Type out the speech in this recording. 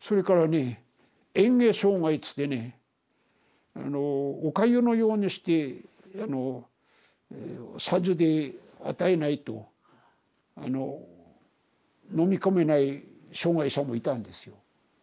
それからね嚥下障害っつってねあのおかゆのようにしてさじで与えないと飲み込めない障害者もいたんですよ。